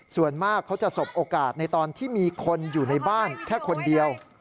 ส่วนมากเขาจะสบโอกาสในตอนที่มีคนอยู่ในบ้านแค่คนเดียว